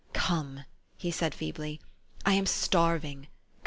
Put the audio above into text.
" Come," he said feebly, "I am starving.